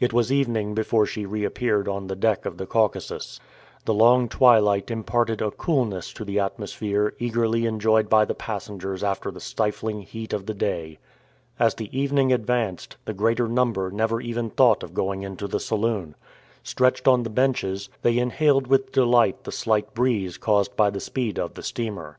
It was evening before she reappeared on the deck of the Caucasus. The long twilight imparted a coolness to the atmosphere eagerly enjoyed by the passengers after the stifling heat of the day. As the evening advanced, the greater number never even thought of going into the saloon. Stretched on the benches, they inhaled with delight the slight breeze caused by the speed of the steamer.